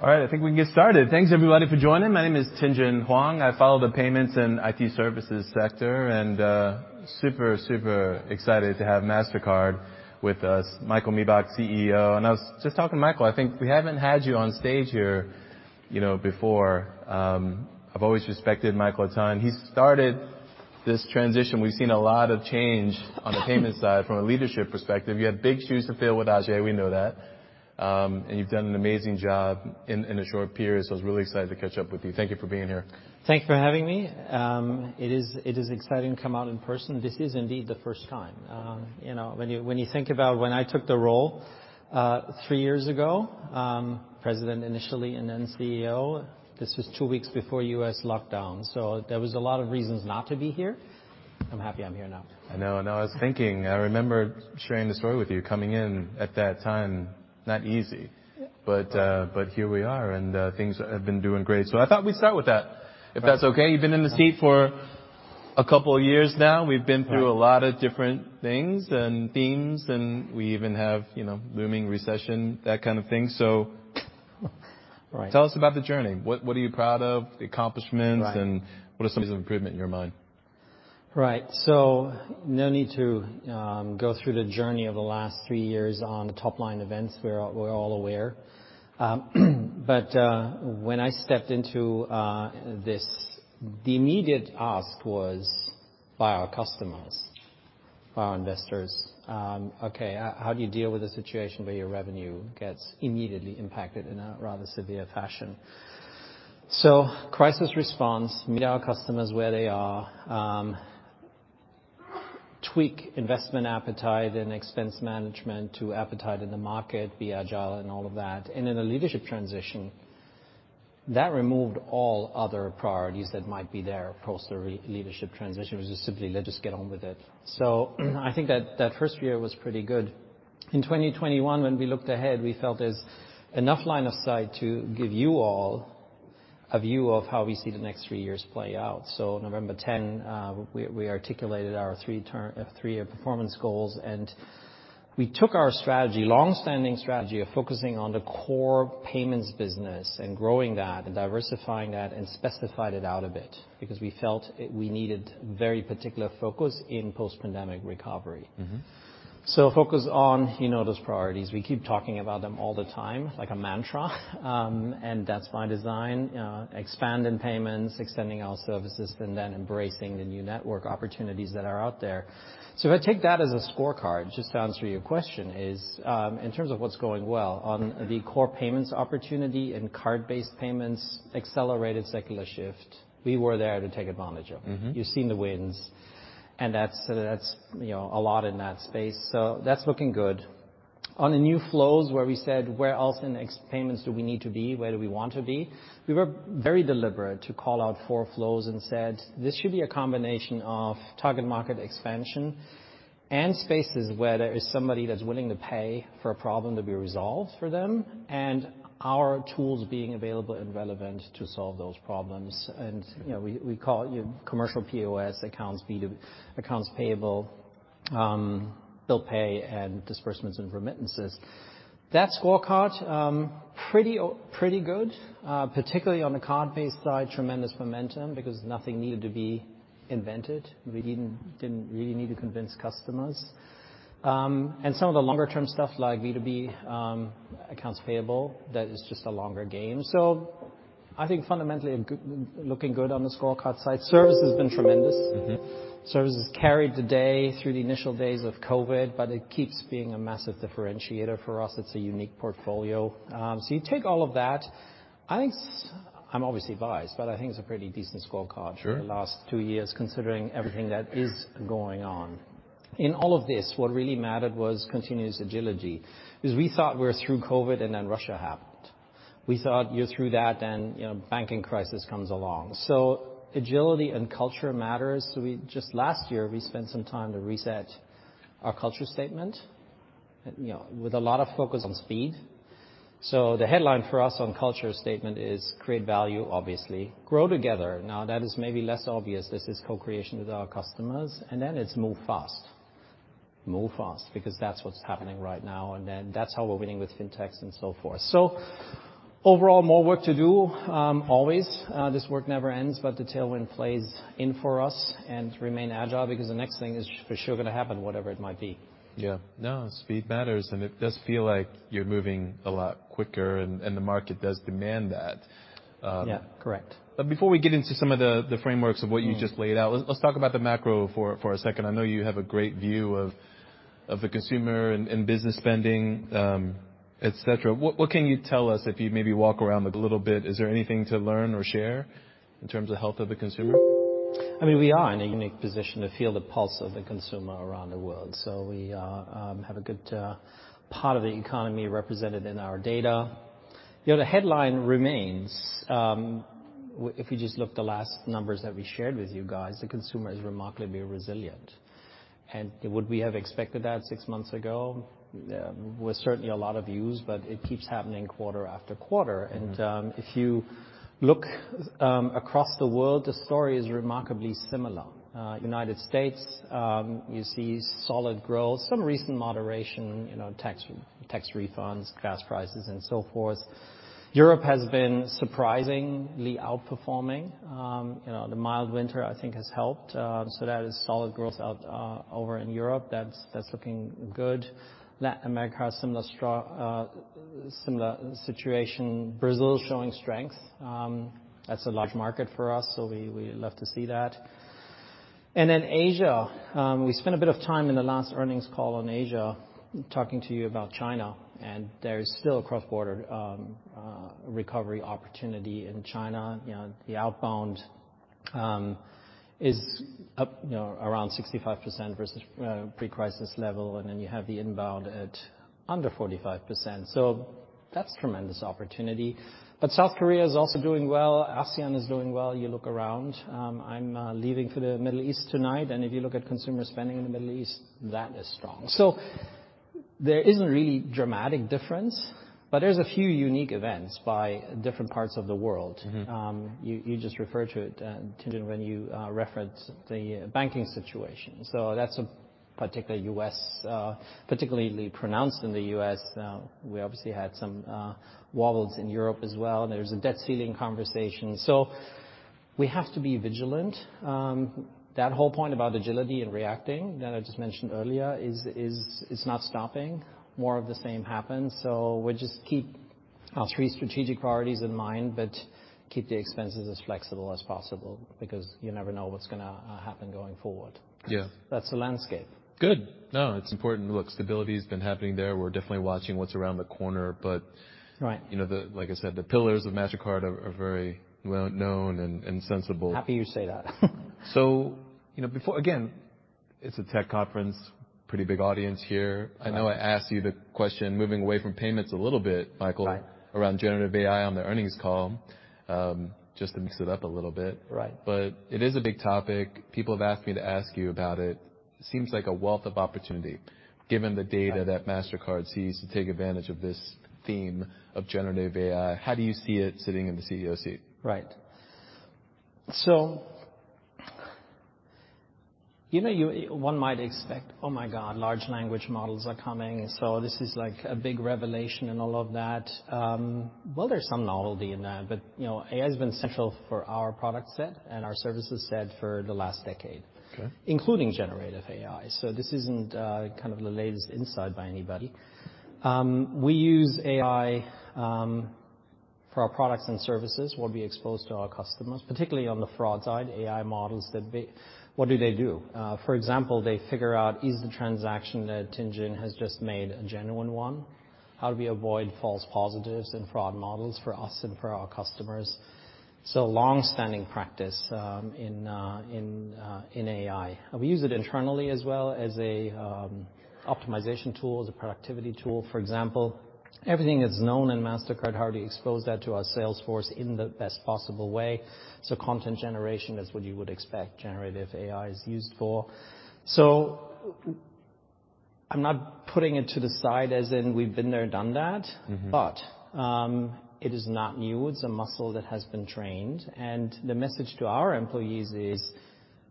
All right. I think we can get started. Thanks, everybody, for joining. My name is Tien-Tsin Huang. I follow the payments and IT services sector, super excited to have Mastercard with us, Michael Miebach, CEO. I was just talking to Michael, I think we haven't had you on stage here, you know, before. I've always respected Michael a ton. He started this transition. We've seen a lot of change on the payment side from a leadership perspective. You have big shoes to fill with Ajay. We know that. You've done an amazing job in a short period. I was really excited to catch up with you. Thank you for being here. Thank you for having me. It is exciting to come out in person. This is indeed the first time. You know, when you, when you think about when I took the role, 3 years ago, President initially and then CEO, this was 2 weeks before US lockdown. There was a lot of reasons not to be here. I'm happy I'm here now. I know. I know. I was thinking, I remember sharing the story with you coming in at that time, not easy. Yeah. Here we are and things have been doing great. I thought we'd start with that, if that's okay. You've been in the seat for a couple of years now. Yeah. We've been through a lot of different things and themes, and we even have, you know, looming recession, that kind of thing. So- Right. Tell us about the journey. What are you proud of, accomplishments? Right. What are some areas of improvement in your mind? Right. No need to go through the journey of the last three years on top-line events. We're all aware. When I stepped into this, the immediate ask was by our customers, by our investors, okay, how do you deal with a situation where your revenue gets immediately impacted in a rather severe fashion? Crisis response, meet our customers where they are, tweak investment appetite and expense management to appetite in the market, be agile and all of that. In a leadership transition, that removed all other priorities that might be there post our leadership transition. It was just simply let's just get on with it. I think that first year was pretty good. In 2021, when we looked ahead, we felt there's enough line of sight to give you all a view of how we see the next three years play out. November 10, we articulated our three-year performance goals, and we took our strategy, longstanding strategy, of focusing on the core payments business and growing that and diversifying that and specified it out a bit because we needed very particular focus in post-pandemic recovery. Focus on, you know, those priorities. We keep talking about them all the time like a mantra. That's by design. Expand in payments, extending our services, and then embracing the new network opportunities that are out there. If I take that as a scorecard, just to answer your question, is, in terms of what's going well on the core payments opportunity and card-based payments, accelerated secular shift, we were there to take advantage of it. You've seen the wins and that's, you know, a lot in that space. That's looking good. On the new flows, where we said, where else in X payments do we need to be? Where do we want to be? We were very deliberate to call out four flows and said, "This should be a combination of target market expansion and spaces where there is somebody that's willing to pay for a problem to be resolved for them, and our tools being available and relevant to solve those problems." You know, we call it commercial POS, accounts payable, bill pay and disbursements and remittances. That scorecard, pretty good, particularly on the card-based side, tremendous momentum because nothing needed to be invented. We didn't really need to convince customers. Some of the longer term stuff like B2B, accounts payable, that is just a longer game. I think fundamentally looking good on the scorecard side. Service has been tremendous. Services carried the day through the initial days of COVID, but it keeps being a massive differentiator for us. It's a unique portfolio. You take all of that. I think I'm obviously biased, but I think it's a pretty decent scorecard. Sure. for the last two years, considering everything that is going on. In all of this, what really mattered was continuous agility. Because we thought we're through COVID and then Russia happened. We thought you're through that, then, you know, banking crisis comes along. Agility and culture matters. Last year, we spent some time to reset our culture statement, you know, with a lot of focus on speed. The headline for us on culture statement is create value, obviously, grow together. Now, that is maybe less obvious. This is co-creation with our customers, and then it's move fast. Move fast because that's what's happening right now, and then that's how we're winning with fintechs and so forth. Overall, more work to do. always, this work never ends, but the tailwind plays in for us and remain agile because the next thing is for sure gonna happen, whatever it might be. Yeah. No, speed matters, and it does feel like you're moving a lot quicker and the market does demand that. Yeah, correct. Before we get into some of the frameworks of what you just laid out, let's talk about the macro for a second. I know you have a great view of the consumer and business spending, et cetera. What can you tell us if you maybe walk around a little bit? Is there anything to learn or share in terms of health of the consumer? I mean, we are in a unique position to feel the pulse of the consumer around the world. We have a good part of the economy represented in our data. You know, the headline remains, if you just look the last numbers that we shared with you guys, the consumer is remarkably resilient. Would we have expected that 6 months ago? Well, certainly a lot of views, it keeps happening quarter after quarter. If you look across the world, the story is remarkably similar. United States, you see solid growth, some recent moderation, you know, tax refunds, gas prices and so forth. Europe has been surprisingly outperforming. You know, the mild winter I think has helped. That is solid growth out over in Europe. That's looking good. Latin America, similar situation. Brazil is showing strength. That's a large market for us, so we love to see that. Asia, we spent a bit of time in the last earnings call on Asia talking to you about China, and there is still a cross-border recovery opportunity in China. You know, the outbound is up, you know, around 65% versus pre-crisis level. You have the inbound at under 45%. That's tremendous opportunity. South Korea is also doing well. ASEAN is doing well. You look around, I'm leaving for the Middle East tonight, and if you look at consumer spending in the Middle East, that is strong. There isn't really dramatic difference, but there's a few unique events by different parts of the world. You, you just referred to it, Tien-Tsin, when you referenced the banking situation. That's a particular US, particularly pronounced in the US now. We obviously had some wobbles in Europe as well, and there's a debt ceiling conversation. We have to be vigilant. That whole point about agility and reacting that I just mentioned earlier, it's not stopping. More of the same happens. We just keep our three strategic priorities in mind, but keep the expenses as flexible as possible because you never know what's gonna happen going forward. Yeah. That's the landscape. Good. No, it's important. Look, stability's been happening there. We're definitely watching what's around the corner. Right. You know, the like I said, the pillars of Mastercard are very well known and sensible. Happy you say that. you know, Again, it's a tech conference, pretty big audience here. Right. I know I asked you the question moving away from payments a little bit, Michael. Right. around generative AI on the earnings call, just to mix it up a little bit. Right. It is a big topic. People have asked me to ask you about it. Seems like a wealth of opportunity given the data that Mastercard sees to take advantage of this theme of generative AI. How do you see it sitting in the CEO seat? Right. You know, one might expect, oh my God, large language models are coming, so this is like a big revelation and all of that. Well, there's some novelty in that, but, you know, AI's been central for our product set and our services set for the last decade. Okay. Including generative AI. This isn't kind of the latest insight by anybody. We use AI for our products and services, what we expose to our customers, particularly on the fraud side, AI models that they. What do they do? For example, they figure out, is the transaction that Tidjane has just made a genuine one? How do we avoid false positives in fraud models for us and for our customers? Longstanding practice in AI. We use it internally as well as a optimization tool, as a productivity tool, for example. Everything is known in Mastercard. How do we expose that to our sales force in the best possible way? Content generation is what you would expect generative AI is used for. I'm not putting it to the side as in we've been there, done that. It is not new. It's a muscle that has been trained. The message to our employees is,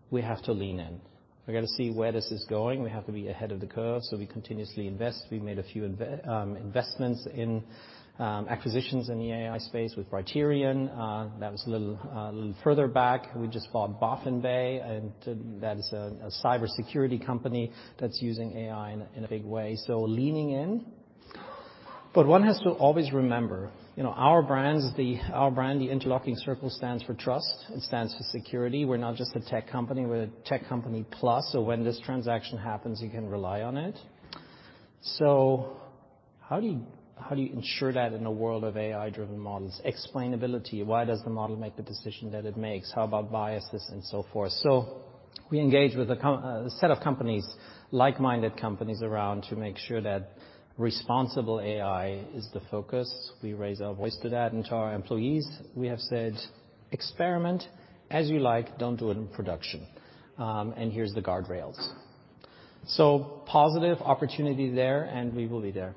we have to lean in. We've gotta see where this is going. We have to be ahead of the curve, we continuously invest. We made a few investments in acquisitions in the AI space with Brighterion. That was a little further back. We just bought Baffin Bay, and that is a cybersecurity company that's using AI in a big way. Leaning in. One has to always remember, you know, our brand's the... our brand, the interlocking circle stands for trust. It stands for security. We're not just a tech company. We're a tech company plus. When this transaction happens, you can rely on it. How do you, how do you ensure that in a world of AI-driven models? Explainability. Why does the model make the decision that it makes? How about biases and so forth? We engage with a set of companies, like-minded companies around to make sure that responsible AI is the focus. We raise our voice to that and to our employees. We have said, "Experiment as you like. Don't do it in production. Here's the guardrails." Positive opportunity there, and we will be there.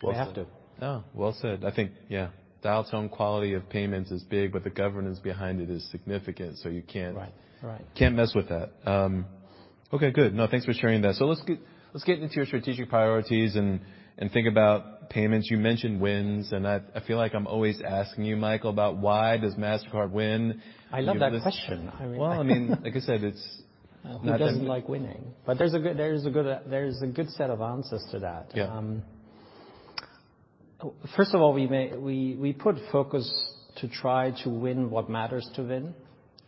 Well said. We have to. No, well said. I think, yeah, dial tone quality of payments is big, but the governance behind it is significant, so you can't. Right. Right. Can't mess with that. Okay, good. Thanks for sharing that. Let's get into your strategic priorities and think about payments. You mentioned wins, and I feel like I'm always asking you, Michael, about why does Mastercard win? I love that question. I really Well, I mean, like I said, it's. Who doesn't like winning? There's a good set of answers to that. Yeah. first of all, we put focus to try to win what matters to win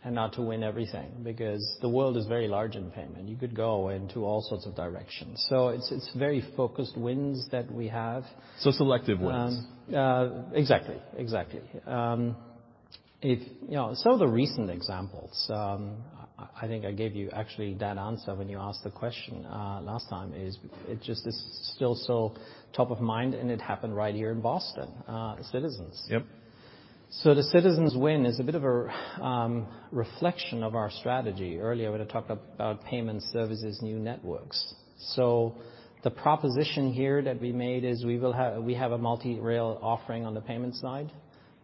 and not to win everything, because the world is very large in payment. You could go into all sorts of directions. it's very focused wins that we have. Selective wins. Exactly. Exactly. You know, some of the recent examples, I think I gave you actually that answer when you asked the question, last time, is it just is still so top of mind, and it happened right here in Boston, Citizens. Yep. The Citizens win is a bit of a reflection of our strategy. Earlier, we had talked about payment services, new networks. The proposition here that we made is we have a multi-rail offering on the payment side.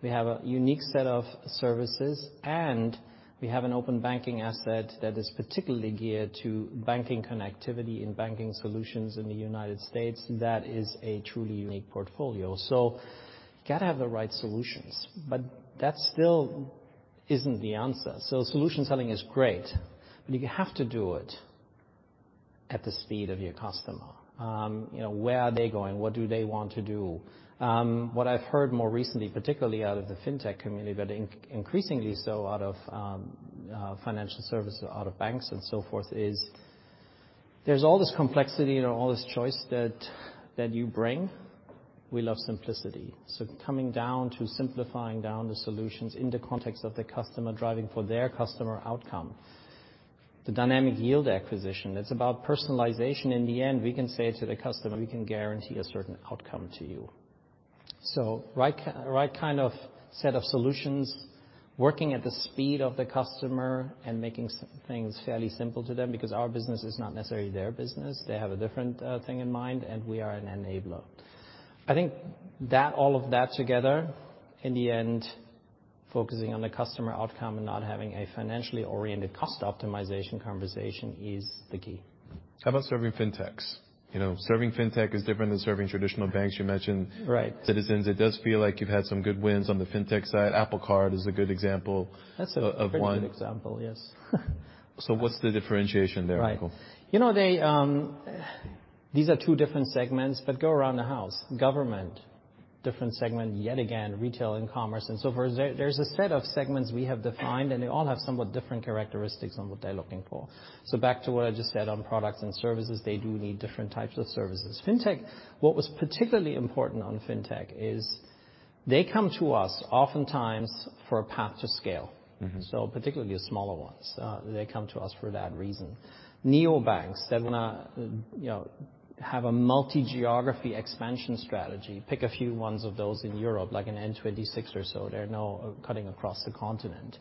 We have a unique set of services, and we have an open banking asset that is particularly geared to banking connectivity and banking solutions in the United States. That is a truly unique portfolio. You gotta have the right solutions, but that still isn't the answer. Solution selling is great, but you have to do it at the speed of your customer. you know, where are they going? What do they want to do? What I've heard more recently, particularly out of the fintech community, but increasingly so out of financial services, out of banks and so forth, is there's all this complexity and all this choice that you bring. We love simplicity. Coming down to simplifying down the solutions in the context of the customer, driving for their customer outcome. The Dynamic Yield acquisition, it's about personalization in the end. We can say to the customer, we can guarantee a certain outcome to you. Right kind of set of solutions, working at the speed of the customer and making things fairly simple to them because our business is not necessarily their business. They have a different thing in mind, and we are an enabler. I think that, all of that together, in the end, focusing on the customer outcome and not having a financially oriented cost optimization conversation is the key. How about serving fintechs? You know, serving fintech is different than serving traditional banks. You mentioned- Right. Citizens. It does feel like you've had some good wins on the fintech side. Apple Card is a good example. That's a pretty good example, yes. -of one. What's the differentiation there, Michael? Right. You know, they. These are two different segments but go around the house. Government, different segment yet again, retail and commerce and so forth. There's a set of segments we have defined, and they all have somewhat different characteristics on what they're looking for. Back to what I just said on products and services, they do need different types of services. Fintech, what was particularly important on fintech is they come to us oftentimes for a path to scale. Particularly the smaller ones, they come to us for that reason. Neobanks, they wanna, you know, have a multi-geography expansion strategy. Pick a few ones of those in Europe, like an N26 or so, they're now cutting across the continent.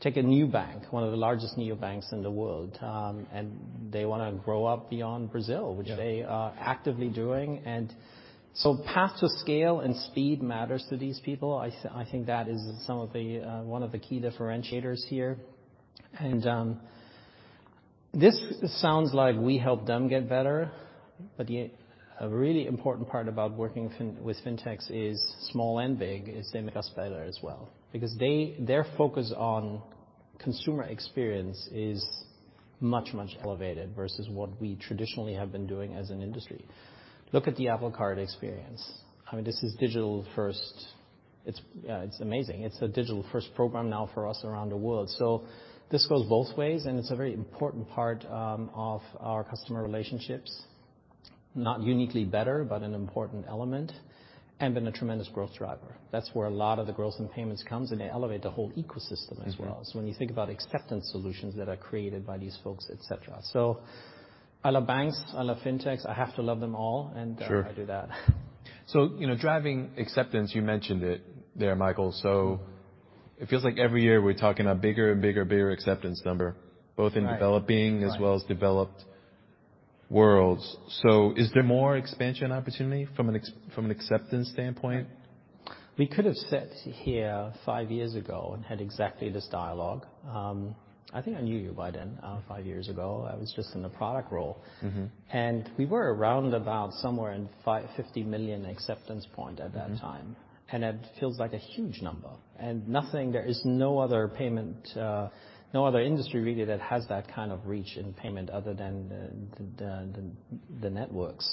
Take a Neobank, one of the largest neobanks in the world, they wanna grow up beyond Brazil. Yeah. which they are actively doing. Path to scale and speed matters to these people. I think that is some of the one of the key differentiators here. This sounds like we help them get better, but yet a really important part about working with fintechs is small and big is they make us better as well. Because their focus on consumer experience is much, much elevated versus what we traditionally have been doing as an industry. Look at the Apple Card experience. I mean, this is digital first. It's amazing. It's a digital first program now for us around the world. So this goes both ways, and it's a very important part of our customer relationships. Not uniquely better, but an important element. Been a tremendous growth driver. That's where a lot of the growth in payments comes, and they elevate the whole ecosystem as well. When you think about acceptance solutions that are created by these folks, et cetera. I love banks, I love fintechs, I have to love them all. Sure. I do that. You know, driving acceptance, you mentioned it there, Michael. So it feels like every year we're talking a bigger and bigger acceptance number. Right. both in developing as well as developed worlds. Is there more expansion opportunity from an acceptance standpoint? We could have sat here five years ago and had exactly this dialogue. I think I knew you by then, five years ago. I was just in the product role. We were around about somewhere in 50 million acceptance point at that time. It feels like a huge number. Nothing, there is no other payment, no other industry really that has that kind of reach in payment other than the networks.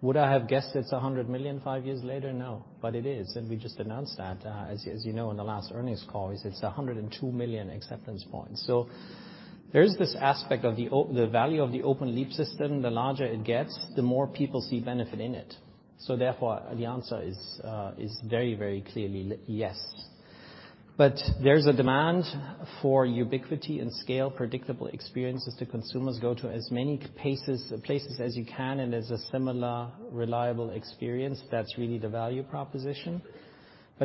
Would I have guessed it's 100 million 5 years later? No. It is, and we just announced that. As you know, in the last Earnings Call, it's 102 million acceptance points. There is this aspect of the value of the open loop system. The larger it gets, the more people see benefit in it. Therefore, the answer is very clearly yes. There's a demand for ubiquity and scale, predictable experiences to consumers go to as many places as you can, and there's a similar reliable experience. That's really the value proposition.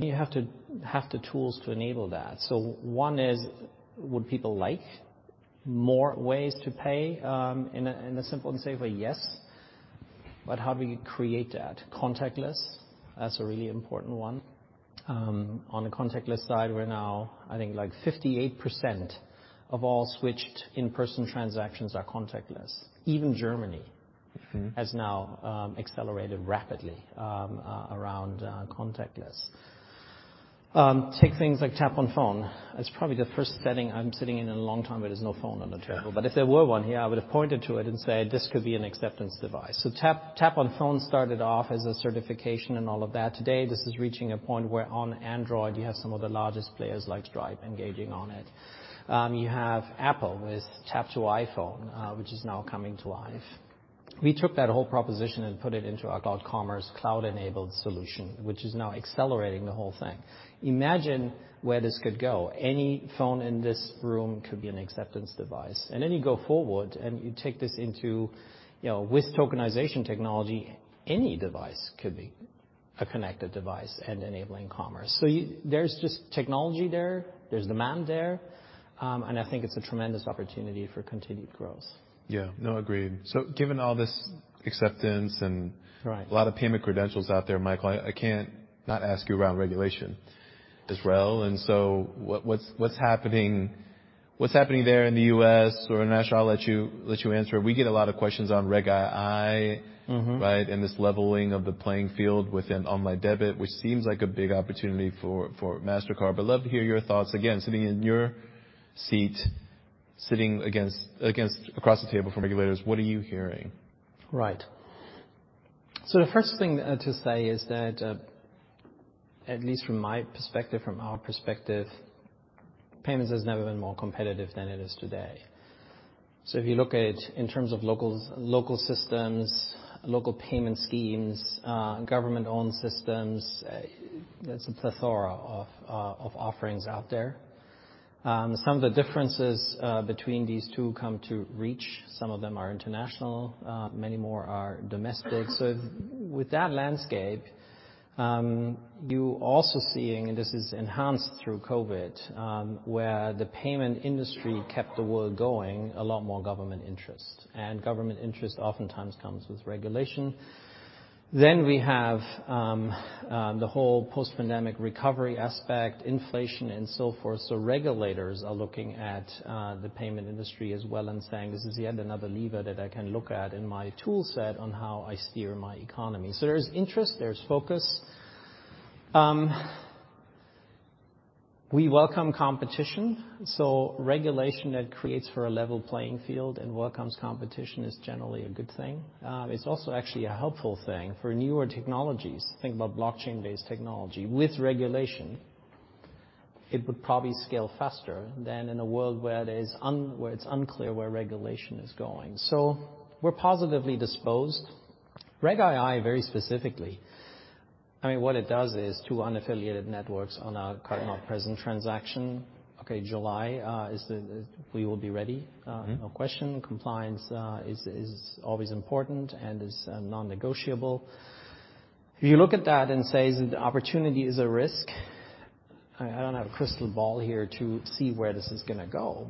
You have to have the tools to enable that. One is, would people like more ways to pay? In a simple and safe way, yes. How do we create that? Contactless, that's a really important one. On the contactless side, we're now I think like 58% of all switched in-person transactions are contactless. Even Germany- has now accelerated rapidly around contactless. Take things like Tap on Phone. It's probably the first setting I'm sitting in in a long time where there's no phone on the table. Yeah. If there were one here, I would have pointed to it and said, "This could be an acceptance device." Tap on Phone started off as a certification and all of that. Today, this is reaching a point where on Android you have some of the largest players like Stripe engaging on it. You have Apple with Tap to iPhone, which is now coming to life. We took that whole proposition and put it into our Cloud Commerce, cloud-enabled solution, which is now accelerating the whole thing. Imagine where this could go. Any phone in this room could be an acceptance device. Then you go forward, and you take this into, you know, with tokenization technology, any device could be a connected device and enabling commerce. There's just technology there's demand there, and I think it's a tremendous opportunity for continued growth. Yeah. No, agreed. given all this-Acceptance and- Right... a lot of payment credentials out there, Michael, I can't not ask you around regulation as well. What's happening there in the US? Nash, I'll let you, let you answer. We get a lot of questions on Reg II. Right? This leveling of the playing field within online debit, which seems like a big opportunity for Mastercard. Love to hear your thoughts. Again, sitting in your seat, sitting across the table from regulators, what are you hearing? The first thing to say is that at least from my perspective, from our perspective, payments has never been more competitive than it is today. If you look at in terms of locals, local systems, local payment schemes, government-owned systems, it's a plethora of offerings out there. Some of the differences between these two come to reach. Some of them are international, many more are domestic. With that landscape, you're also seeing, and this is enhanced through COVID, where the payment industry kept the world going, a lot more government interest. Government interest oftentimes comes with regulation. We have the whole post-pandemic recovery aspect, inflation, and so forth. Regulators are looking at the payment industry as well and saying, "This is yet another lever that I can look at in my toolset on how I steer my economy." There's interest, there's focus. We welcome competition, regulation that creates for a level playing field and welcomes competition is generally a good thing. It's also actually a helpful thing for newer technologies. Think about blockchain-based technology. With regulation, it would probably scale faster than in a world where it's unclear where regulation is going. We're positively disposed. Reg II very specifically, I mean what it does is two unaffiliated networks on a card-not-present transaction. Okay, July, is the... We will be ready, no question. Compliance is always important and is non-negotiable. If you look at that and say is it the opportunity is a risk, I don't have a crystal ball here to see where this is gonna go.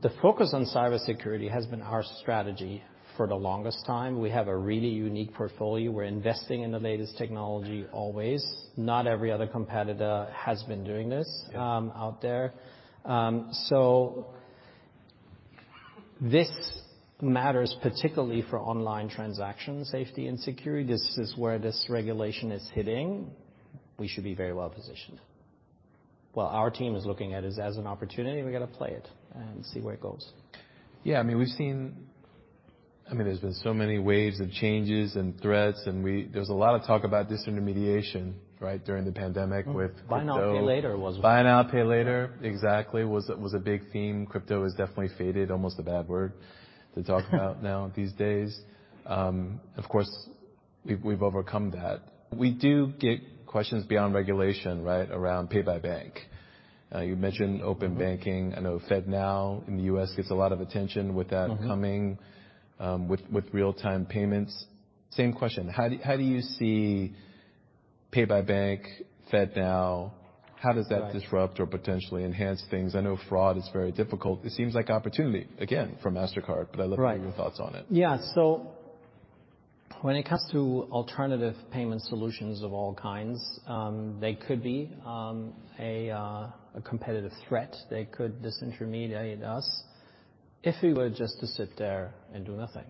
The focus on cybersecurity has been our strategy for the longest time. We have a really unique portfolio. We're investing in the latest technology always. Not every other competitor has been doing this. Yeah... out there. This matters particularly for online transaction safety and security. This is where this regulation is hitting. We should be very well positioned. Well, our team is looking at it as an opportunity. We gotta play it and see where it goes. I mean, there's been so many waves of changes and threats. There's a lot of talk about disintermediation, right? During the pandemic with crypto. Buy now, pay later Buy now, pay later, exactly, was a big theme. Crypto has definitely faded, almost a bad word to talk about now these days. Of course, we've overcome that. We do get questions beyond regulation, right? Around Pay by Bank. You mentioned open banking. I know FedNow in the US gets a lot of attention with that coming. With real-time payments. Same question. How do you see Pay by Bank, FedNow? Right. How does that disrupt or potentially enhance things? I know fraud is very difficult. It seems like opportunity, again, for Mastercard. Right. I'd love to hear your thoughts on it. Yeah. When it comes to alternative payment solutions of all kinds, they could be a competitive threat. They could disintermediate us, if we were just to sit there and do nothing.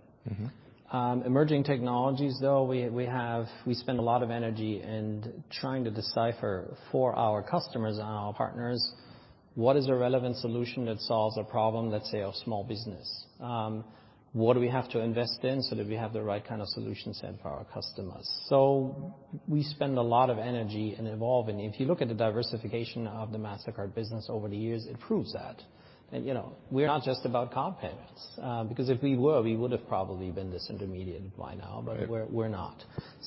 Emerging technologies though, we spend a lot of energy in trying to decipher for our customers and our partners what is a relevant solution that solves a problem, let's say, of small business. What do we have to invest in so that we have the right kind of solution set for our customers? We spend a lot of energy in evolving. If you look at the diversification of the Mastercard business over the years, it proves that. You know, we're not just about card payments, because if we were, we would've probably been disintermediated by now. Right. We're not.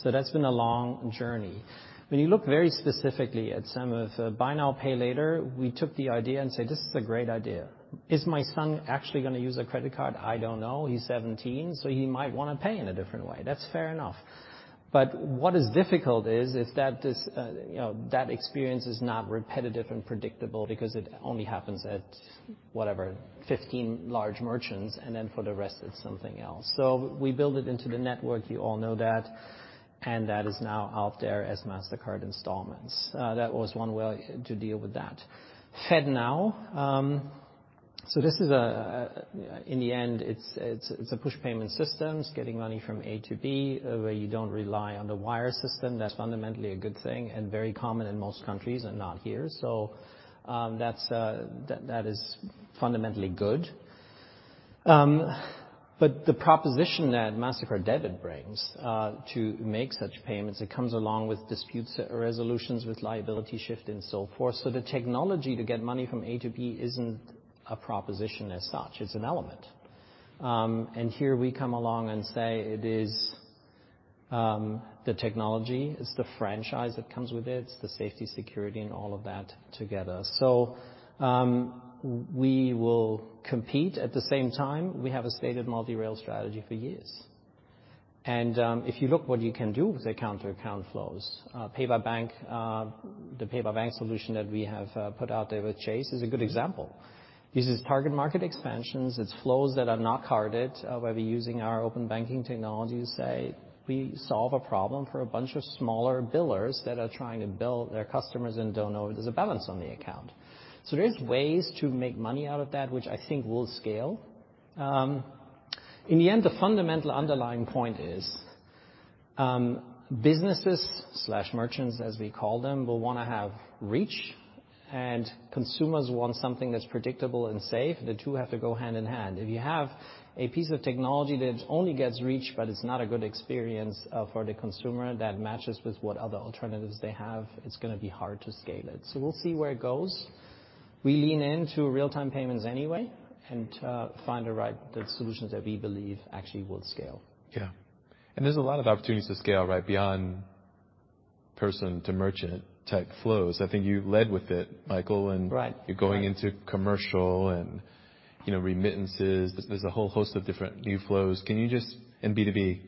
That's been a long journey. When you look very specifically at some of buy now, pay later, we took the idea and said, "This is a great idea." Is my son actually gonna use a credit card? I don't know. He's 17, so he might wanna pay in a different way. That's fair enough. What is difficult is that this, you know, that experience is not repetitive and predictable because it only happens at, whatever, 15 large merchants, and then for the rest it's something else. We build it into the network. You all know that, and that is now out there as Mastercard Installments. That was one way to deal with that. FedNow, this is a, in the end, it's a push payment system. It's getting money from A to B, where you don't rely on the wire system. That's fundamentally a good thing and very common in most countries and not here. That's that is fundamentally good. The proposition that Mastercard Debit brings, to make such payments, it comes along with disputes resolutions, with liability shift and so forth. The technology to get money from A to B isn't a proposition as such. It's an element. Here we come along and say it is the technology, it's the franchise that comes with it. It's the safety, security, and all of that together. We will compete. At the same time, we have a stated multi-rail strategy for years. If you look what you can do with account to account flows, Pay by Bank, the Pay by Bank solution that we have put out there with Chase is a good example. This is target market expansions. It's flows that are not carded, where we're using our open banking technology to say, we solve a problem for a bunch of smaller billers that are trying to bill their customers and don't know if there's a balance on the account. There's ways to make money out of that, which I think will scale. In the end, the fundamental underlying point is, businesses/merchants, as we call them, will wanna have reach, and consumers want something that's predictable and safe. The two have to go hand in hand. If you have a piece of technology that only gets reach, but it's not a good experience, for the consumer that matches with what other alternatives they have, it's gonna be hard to scale it. We'll see where it goes. We lean into real-time payments anyway and, find the right, the solutions that we believe actually will scale. Yeah. There's a lot of opportunities to scale, right, beyond person to merchant type flows. I think you led with it, Michael. Right. You're going into commercial and, you know, remittances. There's a whole host of different new flows. Can you just... B2B.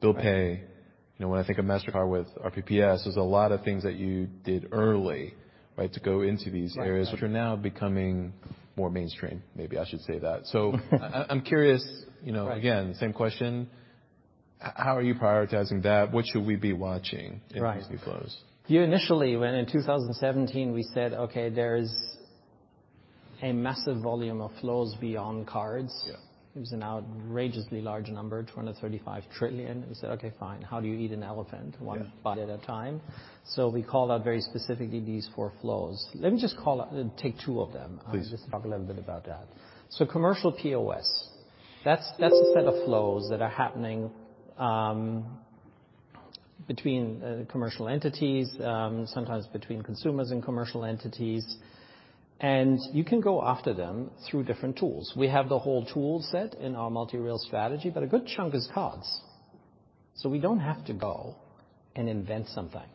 Bill pay. You know, when I think of Mastercard with RPPS, there's a lot of things that you did early, right, to go into these areas. Right. which are now becoming more mainstream, maybe I should say that. I'm curious, you know... Right. Again, same question. How are you prioritizing that? What should we be watching? Right. in these new flows? You initially, when in 2017, we said, "Okay, there's a massive volume of flows beyond cards. Yeah. It was an outrageously large number, $235 trillion. We said, "Okay, fine. How do you eat an elephant? Yeah. One bite at a time. We called out very specifically these four flows. Let me just call out, take two of them. Please. Just talk a little bit about that. Commercial POS, that's a set of flows that are happening between commercial entities, sometimes between consumers and commercial entities. You can go after them through different tools. We have the whole tool set in our multi-rail strategy. A good chunk is cards. We don't have to go and invent something.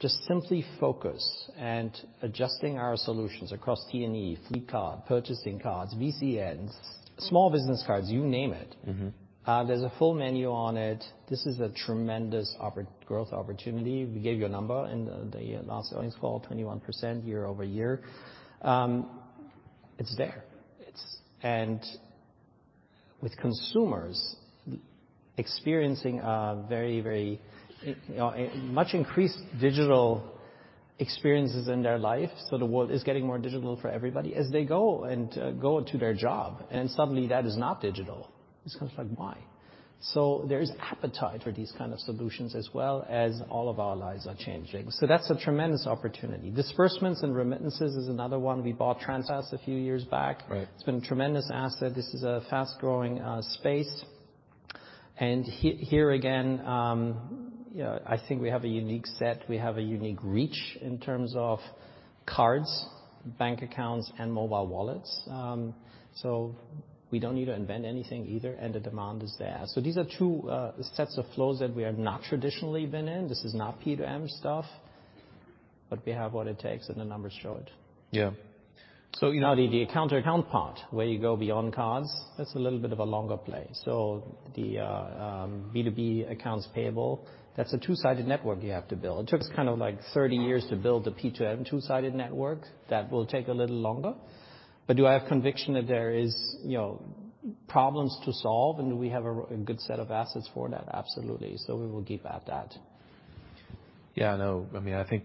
Just simply focus and adjusting our solutions across T&E, fleet card, purchasing cards, VCNs, small business cards, you name it. There's a full menu on it. This is a tremendous growth opportunity. We gave you a number in the last earnings call, 21% year-over-year. It's there. With consumers experiencing a very, you know, a much increased digital experiences in their life, the world is getting more digital for everybody as they go, and go to their job, and suddenly that is not digital. It's kind of like, why? There's appetite for these kind of solutions as well as all of our lives are changing. That's a tremendous opportunity. Disbursement and remittances is another one. We bought Transfast a few years back. Right. It's been a tremendous asset. This is a fast-growing space. Here again, you know, I think we have a unique set, we have a unique reach in terms of cards, bank accounts, and mobile wallets. We don't need to invent anything either, and the demand is there. These are two sets of flows that we have not traditionally been in. This is not P2M stuff, but we have what it takes, and the numbers show it. Yeah. You know. The account to account part, where you go beyond cards, that's a little bit of a longer play. The B2B accounts payable, that's a two-sided network you have to build. It took us kind of like 30 years to build the P2M two-sided network. That will take a little longer. Do I have conviction that there is, you know, problems to solve, and we have a good set of assets for that? Absolutely. We will keep at that. Yeah, no. I mean, I think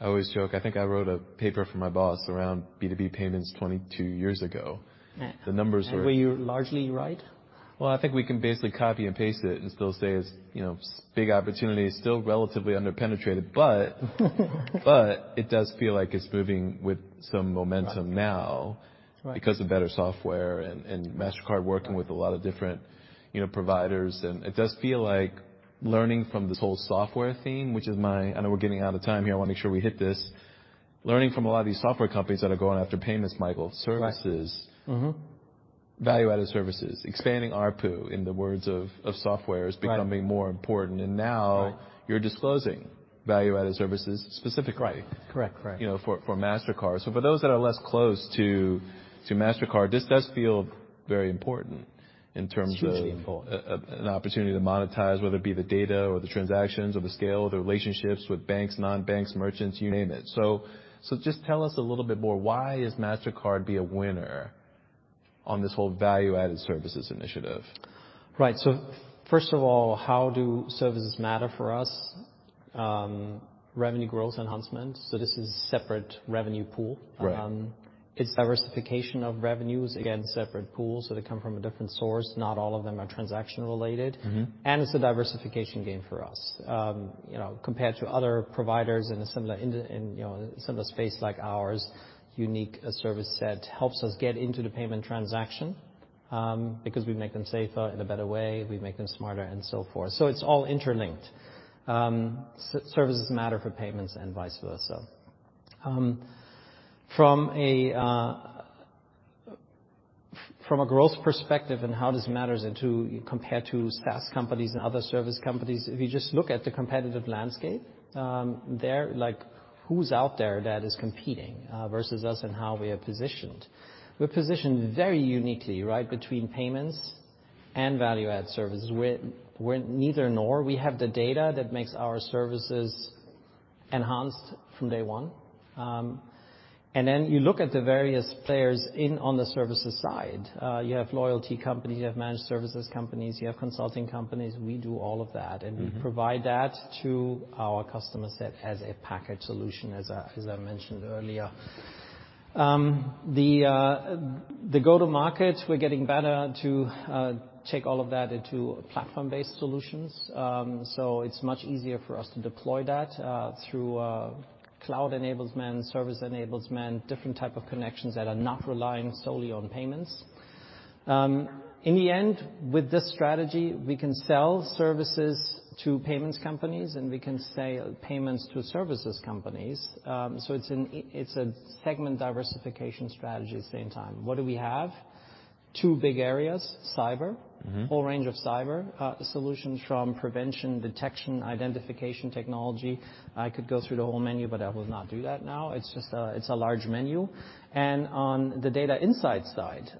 I always joke. I think I wrote a paper for my boss around B2B payments 22 years ago. Yeah. The numbers were. Were you largely right? Well, I think we can basically copy and paste it and still say it's, you know, big opportunity. Still relatively under-penetrated, it does feel like it's moving with some momentum now. Right. -because of better software and Mastercard working with a lot of different, you know, providers. It does feel like learning from this whole software theme, which is my. I know we're getting out of time here. I wanna make sure we hit this. Learning from a lot of these software companies that are going after payments, Michael. Right. Services. Value-added services. Expanding ARPU, in the words of software- Right. is becoming more important. Right. Now you're disclosing value-added services specifically. Right. Correct. Correct. You know, for Mastercard. For those that are less close to Mastercard, this does feel very important in terms of. It's hugely important. an opportunity to monetize, whether it be the data or the transactions or the scale or the relationships with banks, non-banks, merchants, you name it. Just tell us a little bit more, why is Mastercard be a winner on this whole value-added services initiative? Right. First of all, how do services matter for us? Revenue growth enhancement. This is separate revenue pool. Right. It's diversification of revenues. Separate pools, so they come from a different source. Not all of them are transaction related. It's a diversification game for us. You know, compared to other providers in a similar, you know, similar space like ours, unique service set helps us get into the payment transaction, because we make them safer in a better way, we make them smarter and so forth. It's all interlinked. Services matter for payments and vice versa. From a growth perspective and how this matters into compared to SaaS companies and other service companies, if you just look at the competitive landscape, they're like, who's out there that is competing versus us and how we are positioned? We're positioned very uniquely, right, between payments and value-add services. We're neither nor. We have the data that makes our services enhanced from day one. Then you look at the various players in, on the services side. You have loyalty companies, you have managed services companies, you have consulting companies. We do all of that. We provide that to our customer set as a package solution as I mentioned earlier. The go-to-markets, we're getting better to take all of that into platform-based solutions. It's much easier for us to deploy that through cloud enablement, service enablement, different type of connections that are not relying solely on payments. In the end, with this strategy, we can sell services to payments companies, and we can sell payments to services companies. It's a segment diversification strategy at the same time. What do we have? Two big areas, cyber. Whole range of cyber solutions from prevention, detection, identification technology. I could go through the whole menu, but I will not do that now. It's just a large menu. On the data insight side,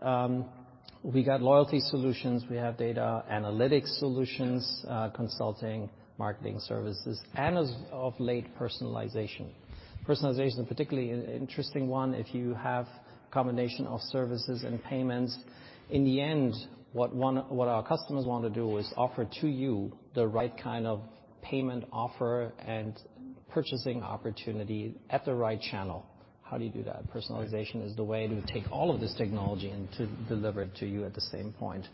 we've got loyalty solutions. We have data analytic solutions, consulting, marketing services, and as of late, personalization. Personalization particularly an interesting one if you have combination of services and payments. In the end, what our customers want to do is offer to you the right kind of payment offer and purchasing opportunity at the right channel. How do you do that? Right. Personalization is the way to take all of this technology and to deliver it to you at the same point.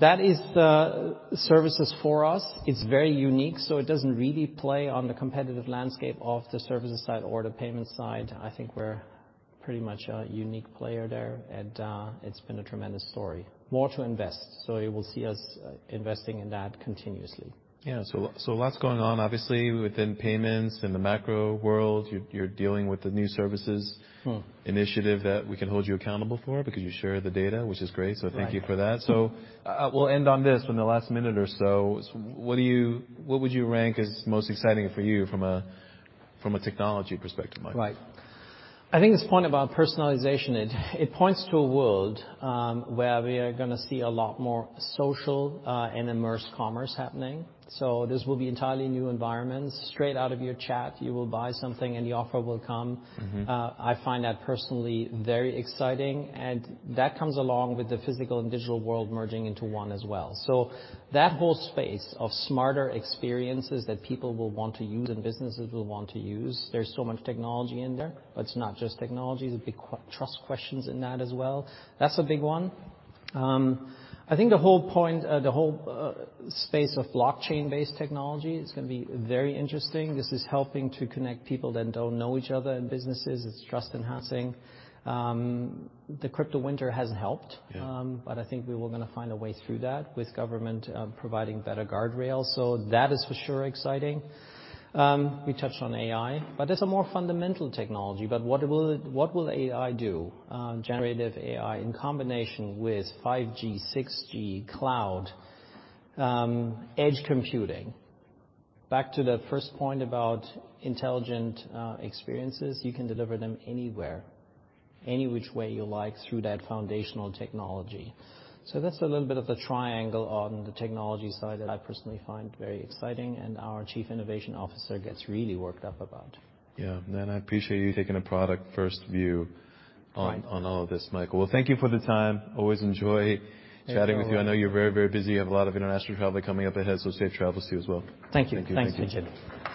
That is the services for us. It's very unique, it doesn't really play on the competitive landscape of the services side or the payments side. I think we're pretty much a unique player there and it's been a tremendous story. More to invest, you will see us investing in that continuously. Yeah. Lots going on, obviously, within payments in the macro world. You're dealing with the new initiative that we can hold you accountable for because you share the data, which is great. Right. Thank you for that. We'll end on this in the last minute or so. What would you rank as most exciting for you from a technology perspective, Michael? Right. I think this point about personalization, it points to a world where we are gonna see a lot more social and immersed commerce happening. This will be entirely new environments. Straight out of your chat, you will buy something and the offer will come. I find that personally very exciting, that comes along with the physical and digital world merging into one as well. That whole space of smarter experiences that people will want to use and businesses will want to use, there's so much technology in there, but it's not just technology. There's trust questions in that as well. That's a big one. I think the whole point, the whole space of blockchain-based technology is gonna be very interesting. This is helping to connect people that don't know each other in businesses. It's trust enhancing. The crypto winter hasn't helped. Yeah. I think we were gonna find a way through that with government providing better guardrails. That is for sure exciting. We touched on AI, it's a more fundamental technology. What will AI do? Generative AI in combination with 5G, 6G, cloud, edge computing. Back to the first point about intelligent experiences, you can deliver them anywhere, any which way you like through that foundational technology. That's a little bit of the triangle on the technology side that I personally find very exciting and our chief innovation officer gets really worked up about. Yeah. Man, I appreciate you taking a product first view on- Right. on all of this, Michael. Well, thank you for the time. Always enjoy chatting with you. Yeah. I know you're very, very busy. You have a lot of international travel coming up ahead. Safe travels to you as well. Thank you. Thank you. Thanks, Vijay.